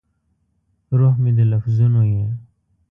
روح مې د لفظونو یې